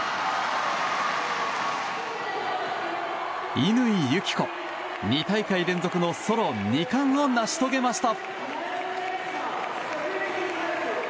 乾友紀子、２大会連続のソロ２冠を成し遂げました。